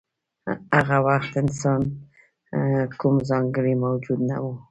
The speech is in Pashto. هغه وخت انسان کوم ځانګړی موجود نه و.